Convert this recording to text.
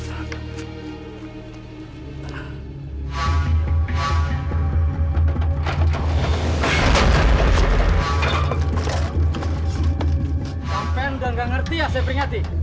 sampai sudah tidak mengerti ya saya peringati